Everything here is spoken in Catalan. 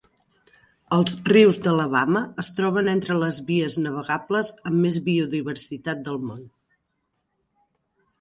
Els rius d'Alabama es troben entre les vies navegables amb més biodiversitat del món.